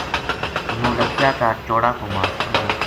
نولکھیا کا چوڑا کو ماس اندر